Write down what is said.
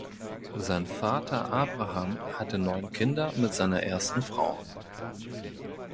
Sein Vater Abraham hatte neun Kinder mit seiner ersten Frau.